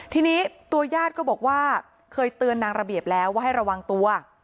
ทีนี้ตัวญาติก็บอกว่าเคยเตือนนางระเบียบแล้วว่าให้ระวังตัว